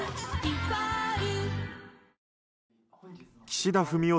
岸田文雄